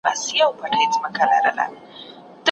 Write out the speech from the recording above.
د دې ناول اصلي کرکټر عمری ډاکو و.